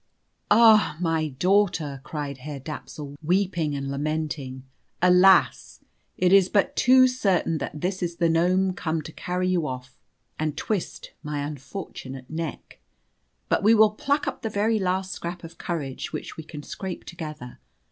"Ah, my daughter!" cried Herr Dapsul, weeping and lamenting, "alas! it is but too certain that this is the gnome come to carry you off, and twist my unfortunate neck. But we will pluck up the very last scrap of courage which we can scrape together.